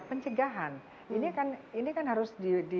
pencegahan ini kan harus